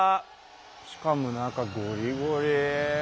しかも中ゴリゴリ。